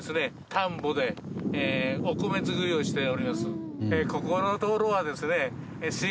田んぼでお米作りをしております。